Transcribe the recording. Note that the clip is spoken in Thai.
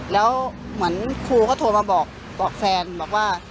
แล้วเหมือนครูก็โทรมาบอกแฟนบอกว่า